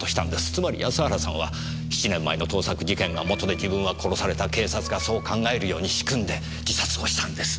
つまり安原さんは「７年前の盗作事件がもとで自分は殺された」警察がそう考えるように仕組んで自殺をしたんです。